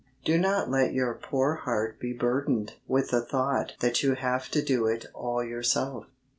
Do not let your poor heart be burdened with the thought that you have to do it all yourself.